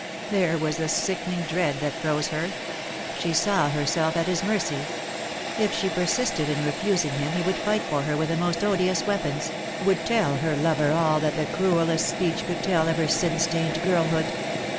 There was the sickening dread that froze her. She saw herself at his mercy. If she per sisted in refusing him he would fight for her with the most odious weapons, would tell her lover all that the cruellest speech could tell of her sin stained girlhood.